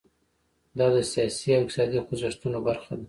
دا د سیاسي او اقتصادي خوځښتونو برخه ده.